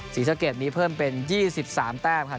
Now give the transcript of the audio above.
ศรีสะเกดมีเพิ่มเป็น๒๓แต้มครับ